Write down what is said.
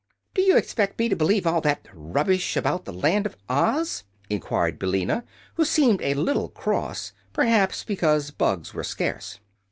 "Do you expect me to believe all that rubbish about the Land of Oz?" enquired Billina, who seemed a little cross perhaps because bugs were scarce.